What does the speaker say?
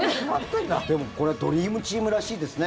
でも、これドリームチームらしいですね。